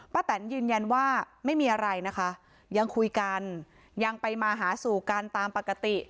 แตนยืนยันว่าไม่มีอะไรนะคะยังคุยกันยังไปมาหาสู่กันตามปกติ